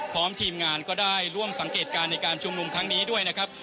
พร้อมทีมงานก็ได้ร่วมสังเกตการณ์ในการชุมนุมครั้งนี้ด้วยนะครับ